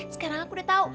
sekarang aku udah tahu